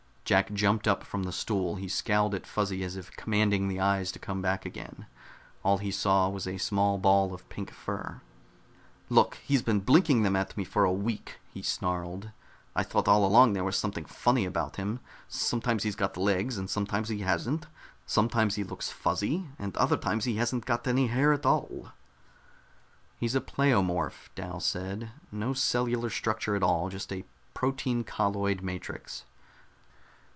Jack jumped up from the stool. He scowled at Fuzzy as if commanding the eyes to come back again. All he saw was a small ball of pink fur. "Look, he's been blinking them at me for a week," he snarled. "I thought all along there was something funny about him. Sometimes he's got legs and sometimes he hasn't. Sometimes he looks fuzzy, and other times he hasn't got any hair at all." "He's a pleomorph," Dal said. "No cellular structure at all, just a protein colloid matrix."